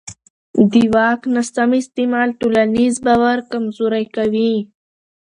د واک ناسم استعمال ټولنیز باور کمزوری کوي